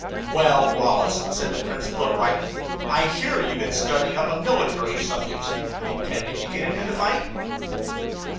"Well, Wallace," said the principal of Brighton, "I hear you've been studying up on military subjects. Intending to get into the fight?"